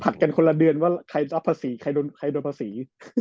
กันคนละเดือนว่าใครรับภาษีใครโดนภาษี